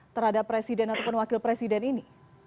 terhadap presiden ataupun wakil presiden ini